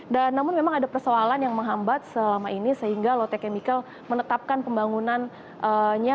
dan namun memang ada persoalan yang menghambat selama ini sehingga lotte chemical menetapkan pembangunannya